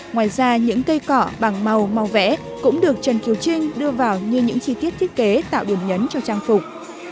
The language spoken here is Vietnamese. ngoài ra những cây cỏ bằng màu màu vẽ cũng được trần kiều trinh đưa vào như những chi tiết thiết kế tạo điểm nhấn cho trang phục